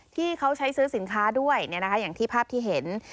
ที่เขาใช้ซื้อสินค้าด้วยอย่างที่ภาพที่เห็น